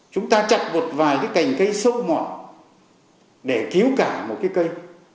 chúng ta chặt một vài cái cành cây sâu mọt để cứu cả một cái cây